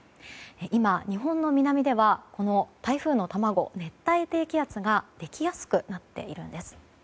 今、日本の南では台風の卵熱帯低気圧ができやすくなっているんです。